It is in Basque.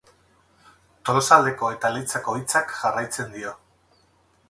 Tolosaldeko eta Leitzako Hitzak jarraitzen dio.